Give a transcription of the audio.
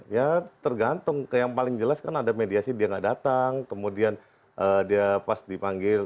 ya tergantung yang paling jelas kan ada mediasi dia nggak datang kemudian dia pas dipanggil